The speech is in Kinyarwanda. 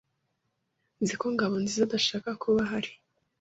Nzi ko Ngabonzizaadashaka kuba ahari.